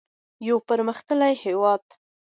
یو پرمختللی هیواد.